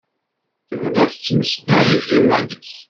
Tebda tettmeslay d yiman-is.